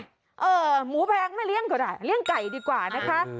หมูแพงไม่เลี้ยงก็ได้เลี้ยงไก่ดีกว่านะคะ